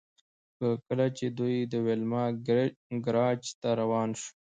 کله چې دوی د ویلما ګراج ته روان وو